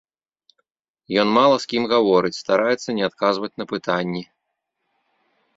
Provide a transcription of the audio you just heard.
Ён мала з кім гаворыць, стараецца не адказваць на пытанні.